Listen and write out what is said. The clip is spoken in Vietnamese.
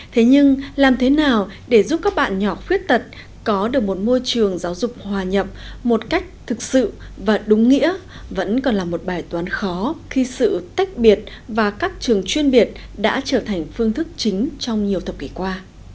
thế nhưng làm thế nào để giúp các bạn nhỏ khuyết tật có được một môi trường giáo dục hòa nhập một cách thực sự và đúng nghĩa vẫn còn là một bài toán khó khi sự tách biệt và các trường chuyên biệt đã trở thành phương thức chính trong nhiều thập kỷ qua